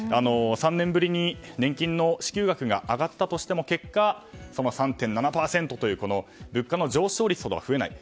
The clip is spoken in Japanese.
３年ぶりに年金の支給額が上がったとしても結果、その３．７％という物価の上昇率ほどは増えない。